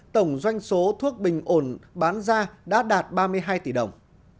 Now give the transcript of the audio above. tổng doanh số thuốc bình ổn bán ra đã đạt ba mươi hai tỷ đồng